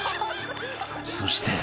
［そして］